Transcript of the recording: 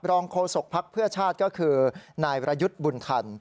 รองโคศกภาคเพื่อชาติก็คือนายระยุทธ์บุญคัน